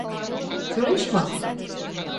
— Кӱлеш мо?